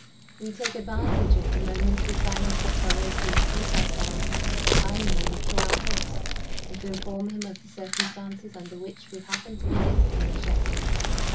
We take advantage of the momentary silence that follows to introduce ourselves by name to our host, and to inform him of the circumstances under which we happen to be visiting Shetland.